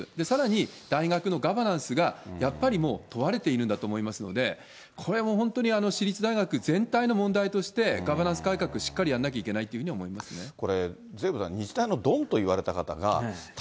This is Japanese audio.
さらに、大学のガバナンスがやっぱりもう問われているんだと思いますので、これも本当に私立大学全体の問題として、ガバナンス改革、しっかりやんなきゃいけないというふうには思いますね。